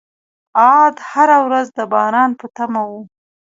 عاد هره ورځ د باران په تمه وو.